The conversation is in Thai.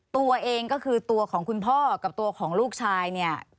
ตัวเองก็คือตัวของคุณพ่อกับตัวของลูกชายเนี่ย